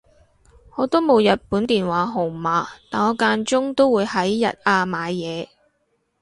我都冇日本電話號碼但我間中都會喺日亞買嘢